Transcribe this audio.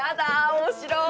面白い！